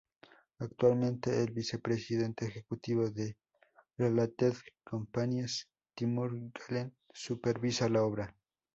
Actualmente, el vicepresidente ejecutivo de Related Companies, Timur Galen, supervisa la obra.